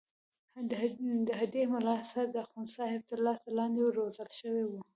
د هډې ملاصاحب د اخوندصاحب تر لاس لاندې روزل شوی وو.